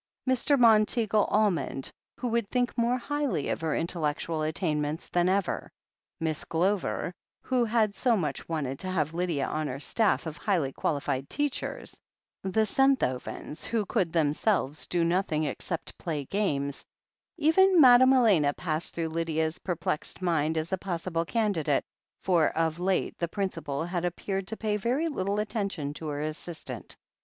Mr. Monteagle Almond — ^who would think more highly of her intellectual attainments than ever — Miss 239 240 THE HEEL OF ACHILLES Glover, who had so much wanted to have Lydia on her staff of highly qualified teachers — ^the Senthovens, who could themselves do nothing except play games— even Madame Elena passed through Lydia's perplexed mind as a possible candidate, for of late the principal had ap peared to pay very little attention to her assistant.